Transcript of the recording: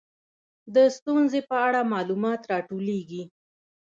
د ستونزې په اړه معلومات راټولیږي.